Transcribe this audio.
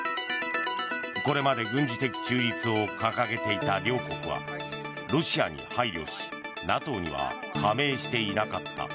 これまで軍事的中立を掲げていた両国はロシアに配慮し、ＮＡＴＯには加盟していなかった。